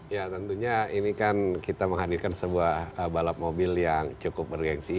ya tentunya ini kan kita menghadirkan sebuah balap mobil yang cukup bergensi